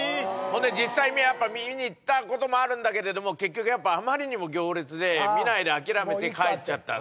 ほんで実際にやっぱ見にいったこともあるんだけれども結局やっぱあまりにも行列で見ないで諦めて帰っちゃった